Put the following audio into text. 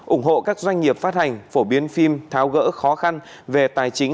ủng hộ các doanh nghiệp phát hành phổ biến phim tháo gỡ khó khăn về tài chính